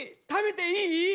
食べていい？」。